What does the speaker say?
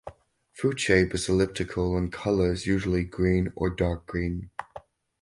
Fruit shape is elliptical and color is usually green or dark green.